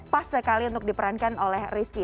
pas sekali untuk diperankan oleh rizky